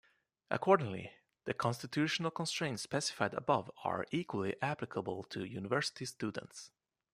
Accordingly, the constitutional constrains specified above are equally applicable to university students.